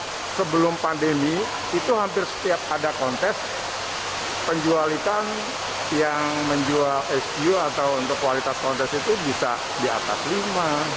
karena sebelum pandemi itu hampir setiap ada kontes penjual ikan yang menjual sq atau untuk kualitas kontes itu bisa di atas lima